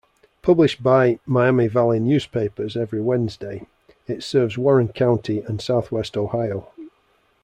Published by Miami Valley Newspapers every Wednesday, it serves Warren County and southwest Ohio.